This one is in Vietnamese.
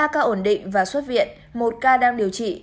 ba ca ổn định và xuất viện một ca đang điều trị